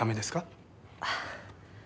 ああ。